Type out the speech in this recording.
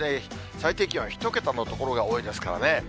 最低気温１桁の所が多いですからね。